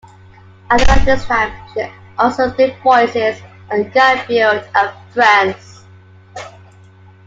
At around this time she also did voices on "Garfield and Friends".